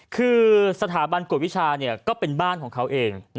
คือสถาบันกวดวิชาก็เป็นบ้านของเขาเอง